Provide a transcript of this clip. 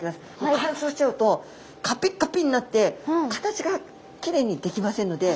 乾燥しちゃうとカピカピになって形がきれいにできませんので。